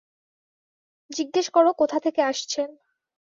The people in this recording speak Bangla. জিজ্ঞেস করো কোথা থেকে আসছেন?